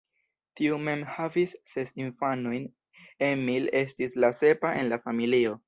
Tiu mem havis ses infanojn, Emil estis la sepa en la familio.